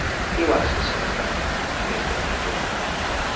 He waxes sentimental, and is to be forgiven.